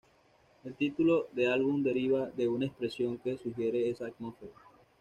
El título del álbum deriva de una expresión que sugiere esa atmósfera.